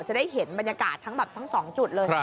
จะได้เห็นบรรยากาศทั้งแบบทั้งสองจุดเลย